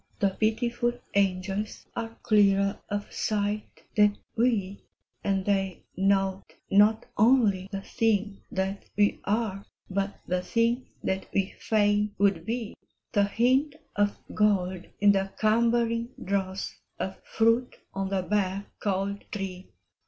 the pitiful angels Are clearer of sight than we, And they note not only the thing that we are, But the thing that we fain would be, The hint of gold in the cumbering dross, Of fruit on the bare, cold tree.